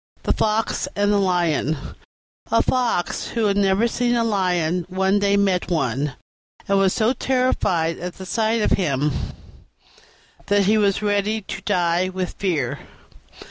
THE FOX AND THE LION A Fox who had never seen a Lion one day met one, and was so terrified at the sight of him that he was ready to die with fear.